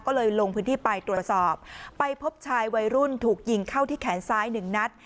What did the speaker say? ก็เลยลงพื้นที่ไปตรวจสอบไปพบชายวัยรุ่นถูกยิงเข้าที่แขนซ้ายหนึ่งนัด